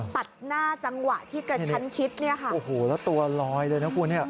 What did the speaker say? ตัดหน้าจังหวะที่กระชั้นชิดเนี่ยค่ะโอ้โหแล้วตัวลอยเลยนะคุณเนี่ย